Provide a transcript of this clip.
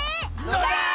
のだ！